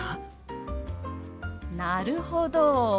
なるほど。